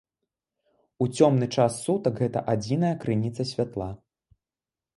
У цёмны час сутак гэта адзіная крыніца святла.